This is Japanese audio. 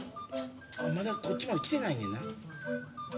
まだこっちまで来てないねんな。